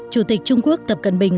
chủ tịch trung quốc tập cận bình